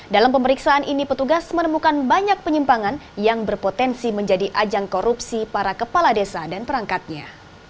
dalam pemeriksaan ini petugas menemukan banyak penyimpangan yang berpotensi menjadi ajang korupsi para kepala desa dan perangkatnya